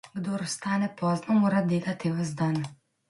Kdor vstane pozno, mora delati ves dan.